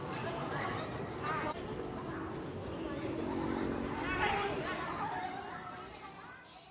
โปรดติดตามตอนต่อไป